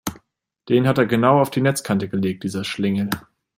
Den hat er genau auf die Netzkante gelegt, dieser Schlingel!